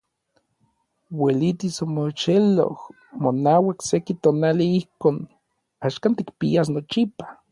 Uelitis omoxeloj monauak seki tonali ijkon axan tikpias nochipa.